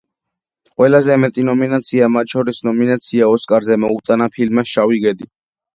ყველაზე მეტი ნომინაცია, მათ შორის ნომინაცია ოსკარზე, მოუტანა ფილმმა „შავი გედი“.